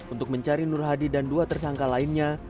untuk mencari nur hadi dan dua tersangka lainnya